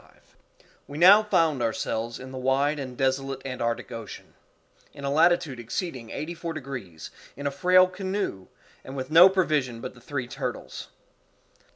CHAPTER 25 We now found ourselves in the wide and desolate Antarctic Ocean, in a latitude exceeding eighty four degrees, in a frail canoe, and with no provision but the three turtles.